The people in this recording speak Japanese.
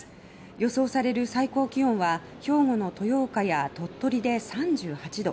予想される最高気温は兵庫の豊岡や鳥取で３８度。